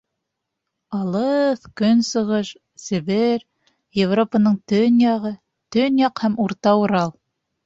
Алыҫ Көнсығыш, Себер, Европаның төньяғы, төньяҡ һәм Урта Урал...